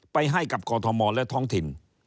ไปให้กับกรทมและท้องถิ่น